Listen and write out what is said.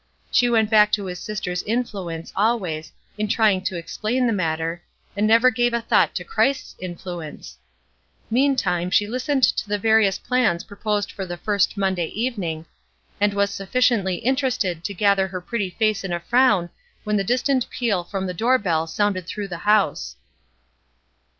She went back to his sister's influence, always, in trying to explain the matter, and never gave a thought to Christ's influence. Meantime she listened to the various plans proposed for the first Monday evening, and was sufficiently interested to gather her pretty face in a frown when the distant peal from the door bell sounded through the house.